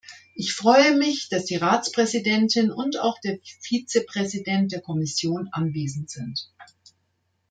Ich freue mich, dass die Ratspräsidentin und auch der Vizepräsident der Kommission anwesend sind.